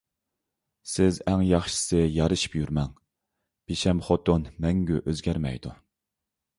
سىز ئەڭ ياخشىسى يارىشىپ يۈرمەڭ، بىشەم خوتۇن مەڭگۈ ئۆزگەرمەيدۇ.